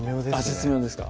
絶妙ですか